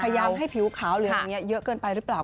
พยายามให้ผิวขาวเหลืองอย่างนี้เยอะเกินไปหรือเปล่า